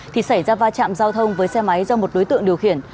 thì xảy ra va chạm giao thông với xe máy do một đối tượng điều khiển